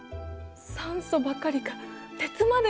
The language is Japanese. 酸素ばかりか鉄までも！？